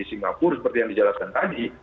singapura seperti yang dijelaskan tadi